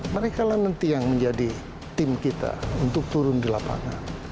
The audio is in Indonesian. mereka lah nanti yang menjadi tim kita untuk turun di lapangan